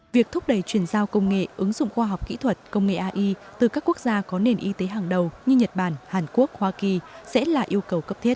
việc thúc đẩy truyền giao công nghệ ứng dụng khoa học kỹ thuật công nghệ ai từ các quốc gia có nền y tế hàng đầu như nhật bản hàn quốc hoa kỳ sẽ là yêu cầu cấp thiết